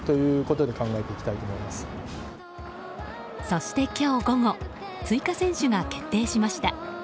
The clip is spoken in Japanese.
そして今日午後追加選手が決定しました。